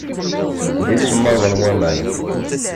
D isemmaḍen waman.